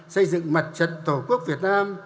xây dựng mật trật tổ quốc việt nam